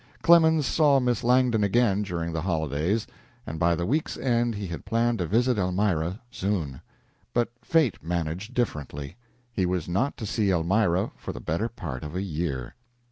Clemens saw Miss Langdon again during the holidays, and by the week's end he had planned to visit Elmira soon. But fate managed differently. He was not to see Elmira for the better part of a year.